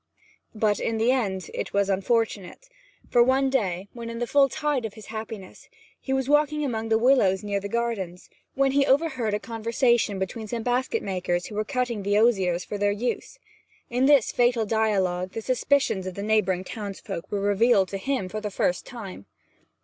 But in the end it was unfortunate; for one day, when in the full tide of his happiness, he was walking among the willows near the gardens, where he overheard a conversation between some basket makers who were cutting the osiers for their use. In this fatal dialogue the suspicions of the neighbouring townsfolk were revealed to him for the first time.